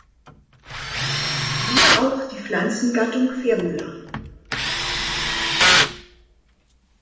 Siehe auch die Pflanzengattung "Ferula".